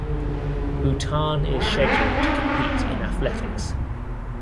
Bhutan is scheduled to compete in athletics.